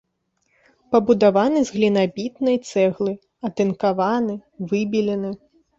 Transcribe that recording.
Пабудаваны з глінабітнай цэглы, атынкаваны, выбелены.